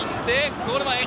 ゴール前！